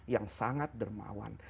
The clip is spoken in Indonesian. yang sangat dermawan